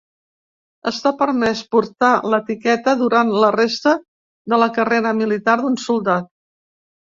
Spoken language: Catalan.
Està permès portar l'etiqueta durant la resta de la carrera militar d'un soldat.